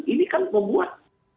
ini kan membuat